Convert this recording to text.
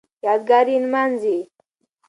یادګار یې نمانځي